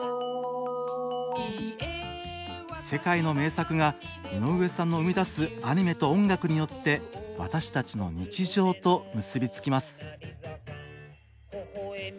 世界の名作が井上さんの生み出すアニメと音楽によって私たちの日常と結び付きます。